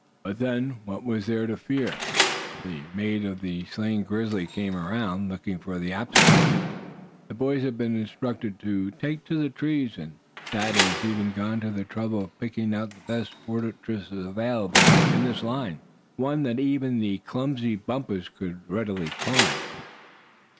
But then, what was there to fear? If the mate of the slain grizzly came around, looking for the absent one, the boys had been instructed to take to the trees; and Thad had even gone to the trouble of picking out the best fortress available in this line, one that even the clumsy Bumpus could readily climb.